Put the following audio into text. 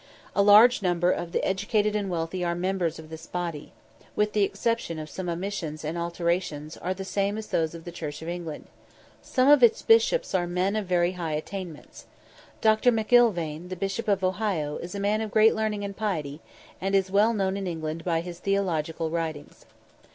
A large number of the educated and wealthy are members of this body. Its formularies, with the exception of some omissions and alterations, are the same as those of the Church of England. Some of its bishops are men of very high attainments. Dr. McIlvaine, the Bishop of Ohio, is a man of great learning and piety, and is well known in England by his theological writings.